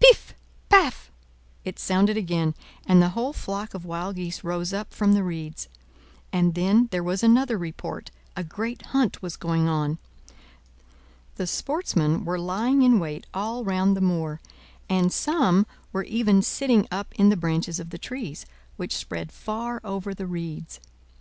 "Piff paff!" it sounded again, and the whole flock of wild geese rose up from the reeds. And then there was another report. A great hunt was going on. The sportsmen were lying in wait all round the moor, and some were even sitting up in the branches of the trees, which spread far over the reeds.